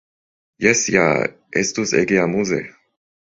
Jes ja! Estus ege amuze!